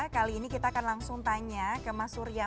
kali ini kita akan langsung tanya ke mas surya